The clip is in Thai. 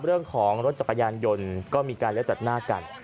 รถจักรยานยนต์ก็มีการเลี้ยวตัดหน้ากัน